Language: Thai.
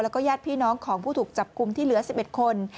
แล้วก็ญาติพี่น้องของผู้ถูกจับกลุ่มที่เหลือ๑๑คน